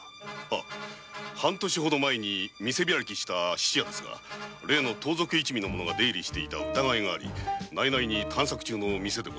半年ほど前に店開きした質屋ですが例の盗賊一味の者が出入りしていた疑いがあり探索中の店です。